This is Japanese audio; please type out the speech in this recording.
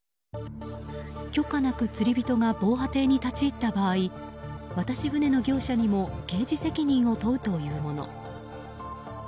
許可なく釣り人が防波堤に立ち入った場合渡し船の業者にも刑事責任を問うというもの。